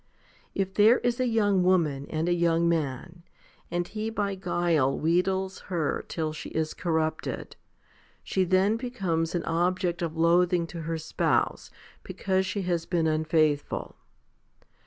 If there is a young woman and a young man, and he by guile wheedles her till she is corrupted, she then becomes an object of loathing to her spouse, because she has been unfaithful.